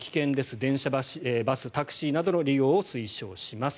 電車、バス、タクシーなどの利用を推奨します。